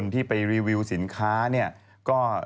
พี่ชอบแซงไหลทางอะเนาะ